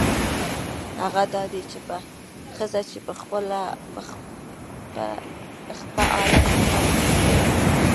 هغه دا دی چې ښځه په خپه حالت او غم کې نه وي.